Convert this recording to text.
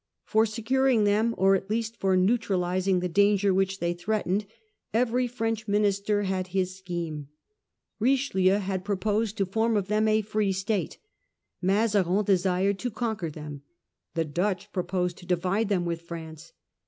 For securing them, or at least for neutralising the danger which they threatened, every French minister had his scheme. Richelieu had proposed to form of them a free state ; Mazarin desired to conquer them ; the Dutch pro posed to divide them with France.